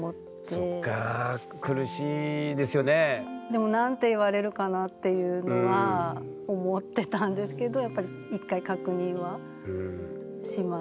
でも何て言われるかなっていうのは思ってたんですけどやっぱり一回確認はしましたね。